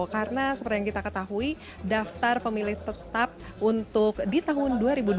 karena seperti yang kita ketahui daftar pemilih tetap untuk di tahun dua ribu dua puluh empat